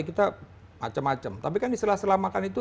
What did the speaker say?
kita macem macem tapi kan diselah selah makan itu